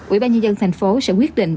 ủy ban nhân dân tp hcm sẽ quyết định